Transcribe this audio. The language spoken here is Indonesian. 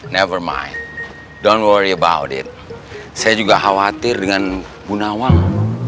never mind don't worry about it saya juga khawatir dengan bu nawang